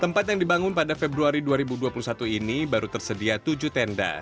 tempat yang dibangun pada februari dua ribu dua puluh satu ini baru tersedia tujuh tenda